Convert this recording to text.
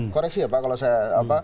koreksi ya pak kalau saya